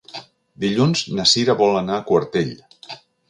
Dilluns na Sira vol anar a Quartell.